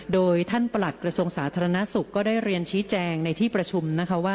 โดยท่านประหลัดกระทรวงสาธารณสุขโอไปรียนชี้แจงในที่ประชุม